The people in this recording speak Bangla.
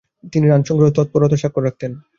তিনি রান সংগ্রহে তৎপরতার স্বাক্ষর রাখতেন।